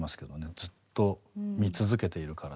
ずっと見続けているから。